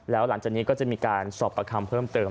แล้วหลังจากนี้ก็จะมีการสอบประคำเพิ่มเติม